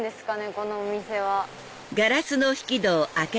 このお店は。